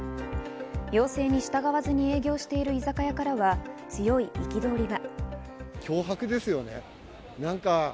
要請に従わずに営業している居酒屋からは強い憤りが。